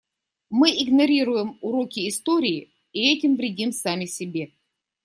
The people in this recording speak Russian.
Мы игнорируем уроки истории и этим вредим сами себе.